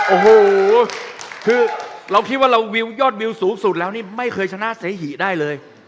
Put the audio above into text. โอ้โห่เราคิดว่าเรายอดวิวสูงสุดแล้วไม่เคยชนะเสฮีได้เลย